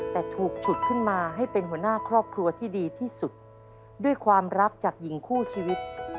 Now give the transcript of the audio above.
แต่ถูกฉุดขึ้นมาให้เป็นหัวหน้าครอบครัวที่ดีที่สุดด้วยความรักจากหญิงคู่ชีวิต